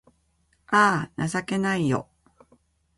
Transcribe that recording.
あぁ、情けないよ